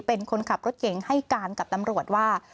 เป็นคนขับรถเก่งให้การกับตำรวจว่า